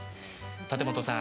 立本さん。